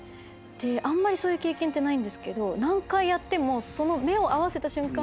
あんまりそういう経験ってないんですけど。